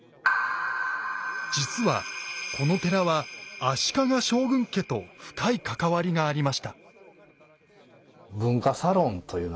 実はこの寺は足利将軍家と深い関わりがありました。